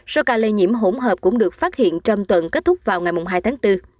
số ca lây nhiễm hỗn hợp cũng được phát hiện trong tuần kết thúc vào ngày hai tháng bốn